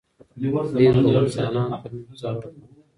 دین د انسانانو ترمنځ مساوات غواړي